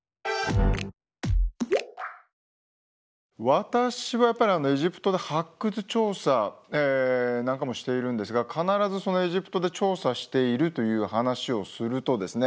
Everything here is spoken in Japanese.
私はやっぱりエジプトで発掘調査なんかもしているんですが必ずエジプトで調査しているという話をするとですね